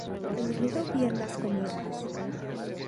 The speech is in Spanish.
elegido bien las comidas